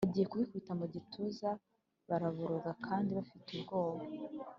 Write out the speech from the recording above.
bagiye bikubita mu gituza, baboroga kandi bafite ubwoba